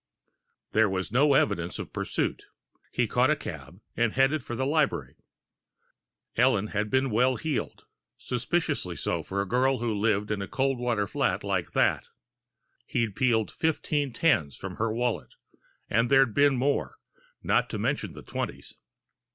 There was no evidence of pursuit. He caught a cab, and headed for the library. Ellen had been well heeled suspiciously so for a girl who lived in a cold water flat like that; he'd peeled fifteen tens from her wallet, and there'd been more, not to mention the twenties.